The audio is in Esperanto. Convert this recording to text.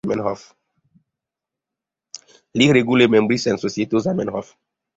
Li regule membris en Societo Zamenhof.